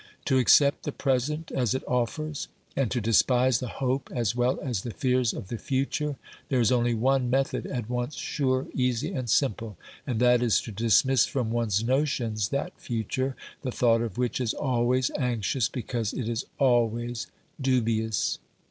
To accept the present as it offers, and to despise the hope as well as the fears of the future, there is only one method at once sure, easy and simple, and that is to dismiss from one's notions that future, the thought of which is always anxious because it is always dubious.